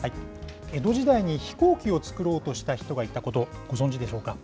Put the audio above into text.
江戸時代に飛行機を作ろうとした人がいたこと、ご存じでしょうか。